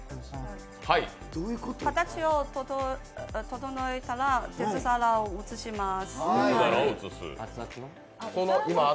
形を整えたら、鉄皿を移します。